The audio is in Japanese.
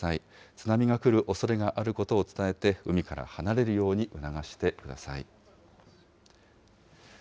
津波が来るおそれがあることを伝えて、海から離れるように促してください。